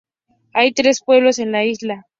Hay tres pueblos en la isla.